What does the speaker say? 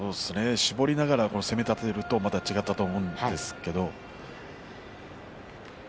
絞りながら攻めたてるとまた違っていたと思うんですけど。